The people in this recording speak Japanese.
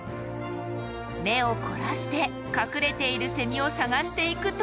目を凝らして隠れているセミを探していくと。